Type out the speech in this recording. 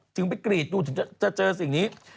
ถึงไปกรีดดูถึงจะเจอสิ่งนี้